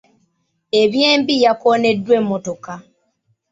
Eby'embi yakooneddwa emmotoka.